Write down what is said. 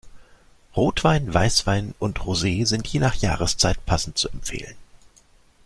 Rotwein, Weißwein und Rosee sind je nach Jahreszeit passend zu empfehlen.